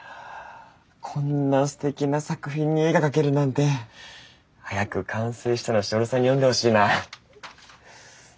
こんなすてきな作品に絵が描けるなんて早く完成したらしおりさんに読んでほしいな。